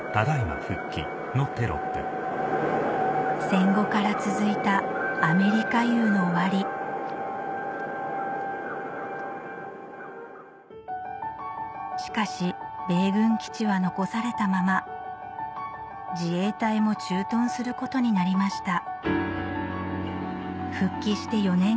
戦後から続いた「アメリカ世」の終わりしかし米軍基地は残されたまま自衛隊も駐屯することになりました